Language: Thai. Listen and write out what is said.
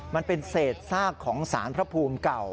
มันเป็นเศษซากของสารพระภูมิเก่า